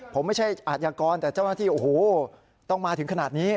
ผมไม่ใช่อาชญากรแต่เจ้าหน้าที่โอ้โหต้องมาถึงขนาดนี้